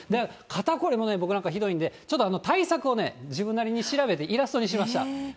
肩凝りも僕なんかひどいんで、ちょっと対策を自分なりに調べて、イラストにしました。